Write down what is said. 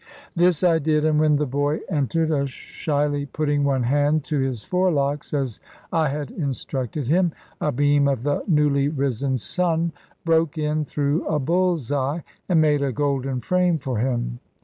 This I did; and when the boy entered, shyly putting one hand to his forelocks (as I had instructed him), a beam of the newly risen sun broke in through a bull's eye, and made a golden frame for him.